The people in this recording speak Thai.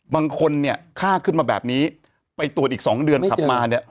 บางคนค่าขึ้นมาแบบนี้ไปตรวจอีก๒เดือนขับมา